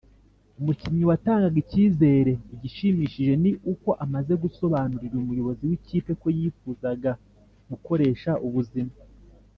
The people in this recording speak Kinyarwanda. umukinnyi watangaga icyizere Igishimishije ni uko amaze gusobanurira umuyobozi w ikipi ko yifuzaga gukoresha ubuzima